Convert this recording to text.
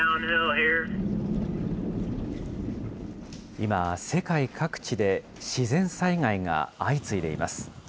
今、世界各地で自然災害が相次いでいます。